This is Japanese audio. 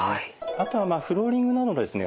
あとはフローリングなどですね